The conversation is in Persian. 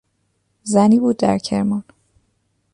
زنی بود در کرمان